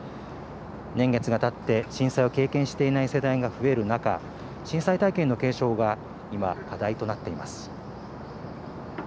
年月がたって、震災を経験していない世代が増える中、震災体験の継承が今、課題となっています。